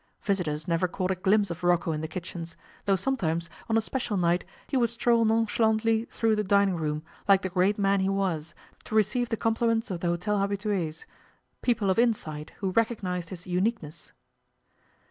Visitors never caught a glimpse of Rocco in the kitchens, though sometimes, on a special night, he would stroll nonchalantly through the dining room, like the great man he was, to receive the compliments of the hotel habitués people of insight who recognized his uniqueness.